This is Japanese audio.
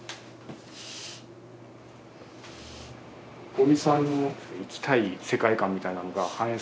五味さんの生きたい世界観みたいなのが反映されてるってこと？